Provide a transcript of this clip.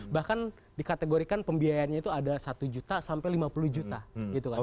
bahkan dikategorikan pembiayaannya itu ada satu juta sampai lima puluh juta gitu kan